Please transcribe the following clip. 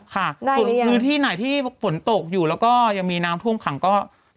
ค่ะส่วนพื้นที่ไหนที่ฝนตกอยู่แล้วก็ยังมีน้ำท่วมขังก็